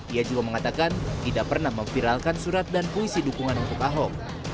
ia juga mengatakan tidak pernah memviralkan surat dan puisi dukungan untuk ahok